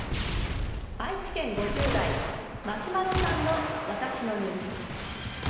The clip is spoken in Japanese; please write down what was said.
愛知県５０代、マシマロさんの「わたしのニュース」。